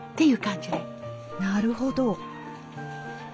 なるほど。